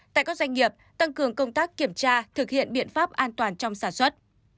tại các doanh nghiệp tăng cường công tác kiểm tra thực hiện biện pháp an toàn trong sản xuất